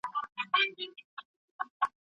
چې شرنګیږي مې په زړه کې تل ترتله